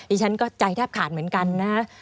ฉันก็ใจแทบขาดเหมือนกันนะ